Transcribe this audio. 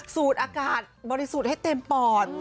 สูดอากาศบริสุทธิ์ให้เต็มปอด